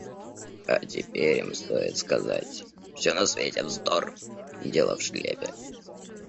А теперь им стоит сказать: все на свете вздор! - и дело в шляпе.